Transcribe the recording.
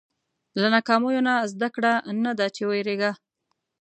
• له ناکامیو نه زده کړه، نه دا چې وېرېږه.